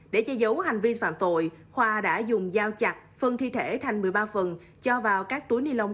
để che giấu hành vi phạm tội khoa đã dùng dao chặt phân thi thể thành một mươi ba phần cho vào các túi ni lông